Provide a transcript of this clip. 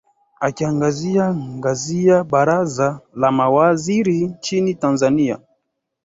akiangazia ngazia baraza la mawaziri nchini tanzania